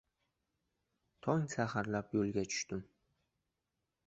Tong saharlab yo`lga tushdim